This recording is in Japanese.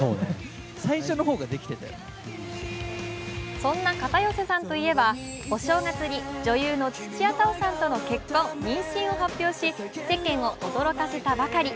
そんな片寄さんといえばお正月に女優の土屋太鳳さんとの結婚・妊娠を発表し、世間を驚かせたばかり。